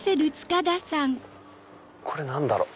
これ何だろう？